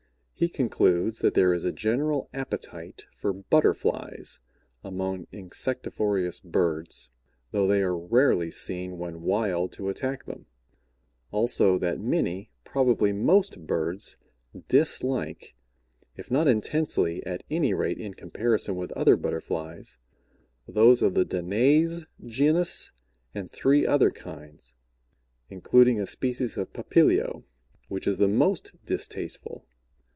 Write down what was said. He concludes that there is a general appetite for Butterflies among insectivorous birds, though they are rarely seen when wild to attack them; also that many, probably most birds, dislike, if not intensely, at any rate in comparison with other Butterflies, those of the Danais genus and three other kinds, including a species of Papilio, which is the most distasteful.